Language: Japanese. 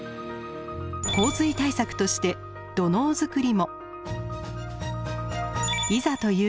洪水対策として土のうづくりも。